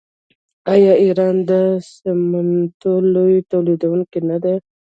آیا ایران د سمنټو لوی تولیدونکی نه دی؟